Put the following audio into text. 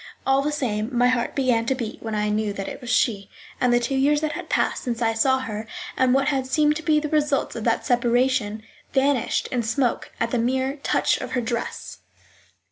All the same, my heart began to beat when I knew that it was she; and the two years that had passed since I saw her, and what had seemed to be the results of that separation, vanished in smoke at the mere touch of her dress.